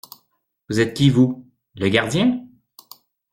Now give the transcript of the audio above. Vous êtes qui, vous? Le gardien ?